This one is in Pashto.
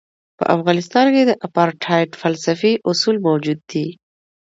په افغانستان کې د اپارټایډ فلسفي اصول موجود دي.